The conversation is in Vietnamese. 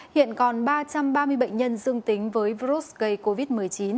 hiện còn ba trăm ba mươi bệnh nhân dương tính với virus gây covid một mươi chín